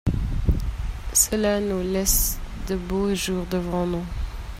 Cela nous laisse de beaux jours devant nous.